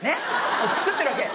こう作ってるわけね。